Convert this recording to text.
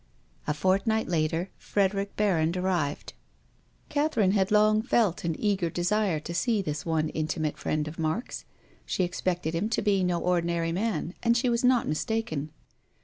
A fortnight later Frederic Berrand arrived. Catherine had long felt an eager desire to see this one intimate friend of Mark's. She expected him to be no ordinary man, and she was not mis taken.